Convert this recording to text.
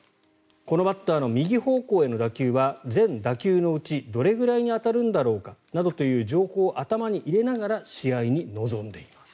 このバッターの右方向への打球は全打球のうちどれぐらいに当たるんだろうかなどという情報を頭に入れながら試合に臨んでいます。